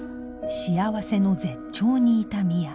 幸せの絶頂にいた深愛